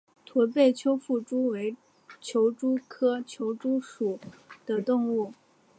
驼背丘腹蛛为球蛛科丘腹蛛属的动物。